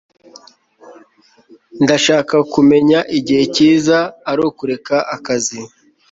Ndashaka kumenya igihe cyiza ari ukureka akazi